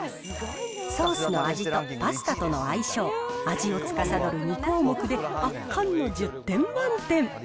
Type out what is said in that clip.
ソースの味とパスタとの相性、味をつかさどる２項目で圧巻の１０点満点。